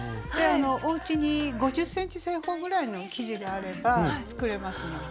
おうちに５０ｃｍ正方ぐらいの生地があれば作れますので。